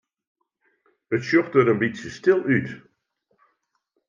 It sjocht der in bytsje stil út.